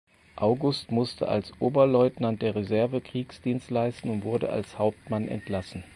August musste als Oberleutnant der Reserve Kriegsdienst leisten und wurde als Hauptmann entlassen.